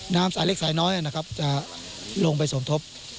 สายเล็กสายน้อยนะครับจะลงไปสมทบ